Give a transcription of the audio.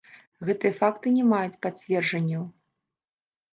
Гэтыя факты не маюць пацвярджэнняў.